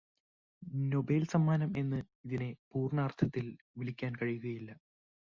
Nobel സമ്മാനം എന്ന് ഇതിനെ പൂർണാർഥത്തിൽ വിളിക്കാൻ കഴിയുകയില്ല.